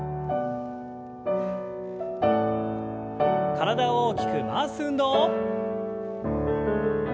体を大きく回す運動。